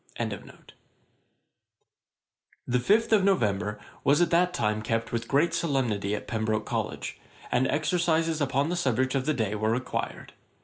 A.D. 1728.] The fifth of November was at that time kept with great solemnity at Pembroke College, and exercises upon the subject of the day were required.